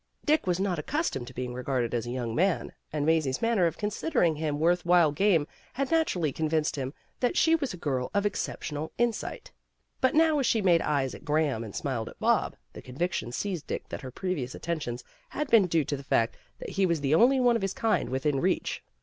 Dick was not accustomed to being regarded as a young man, and Mazie 's manner of consider ing him worth while game had naturally con vinced him that she was a girl of exceptional in sight. But now as she made eyes at Graham and smiled at Bob, the conviction seized Dick that her previous attentions had been due to the fact that he was the only one of his kind within reach.